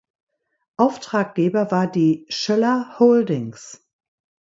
Auftraggeber war die Schoeller Holdings.